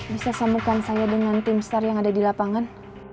bisa sambungkan saya dengan tim star yang ada di lapangan